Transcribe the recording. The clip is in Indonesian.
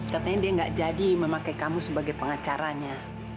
katanya dia gak jadi memakai kamu sebagai pengacaranya